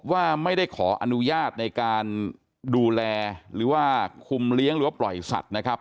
ว่าไม่ได้ขออนุญาตในการดูแลหรือว่าคุมเลี้ยงหรือว่าปล่อยสัตว์นะครับ